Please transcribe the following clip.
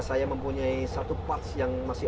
saya mempunyai satu plat yang masih